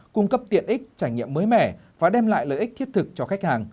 cung cấp tiện ích trải nghiệm mới mẻ và đem lại lợi ích thiết thực cho khách hàng